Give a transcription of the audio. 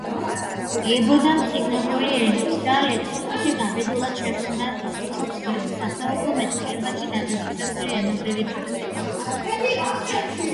ებოდა მწიგნობრული ენით და ლექსიკონში გაბედულად შემოჰქონდა ცოცხალი, სასაუბრო მეტყველებაში დადასტურებული ენობრივი ფაქტები.